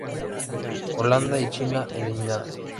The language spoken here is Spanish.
Holanda y China eliminadas.